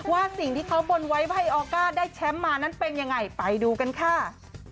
ว่าสิ่งที่เขาบนไว้ให้ออก้าได้แชมป์มานั้นเป็นยังไงไปดูกันค่ะ